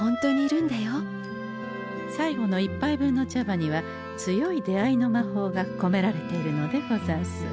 最後の１杯分の茶葉にはつよい出会いの魔法がこめられているのでござんす。